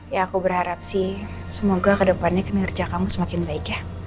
ya aku berharap sih semoga kedepannya kinerja kamu semakin baik ya